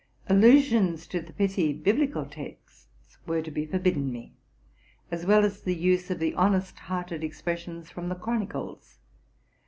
Alla sions to the pithy biblical texts were to be forbidden me, as well as the use of the honest hearted expressions from the Chronicles.